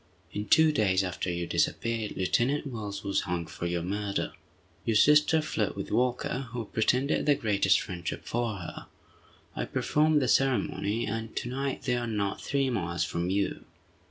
In two days after you disappeared, Lieutenant Wells was hung for your murder. Your sister fled with Walker, who pretended the greatest friendship for her. I performed the ceremony, and to night they are not three miles from you."